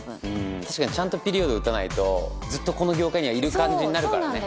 確かにちゃんとピリオド打たないとずっとこの業界にはいる感じになるからね。